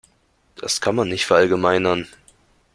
Das kann man nicht verallgemeinern.